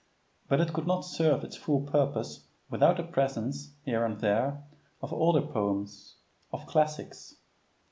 But it could not serve its full purpose without the presence, here and there, of older poems of "classics."